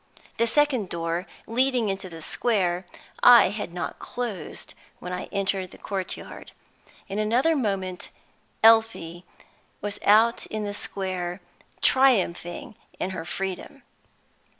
The second door, leading into the square, I had not closed when I entered the courtyard. In another moment Elfie was out in the square, triumphing in her freedom.